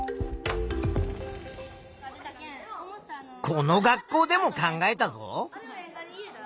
この学校でも考えたぞ。